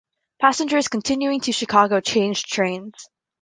Passengers continuing to Chicago changed trains.